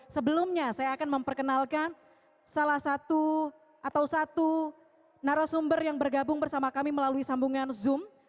sebelumnya saya akan memperkenalkan salah satu atau satu narasumber yang bergabung bersama kami melalui sambungan zoom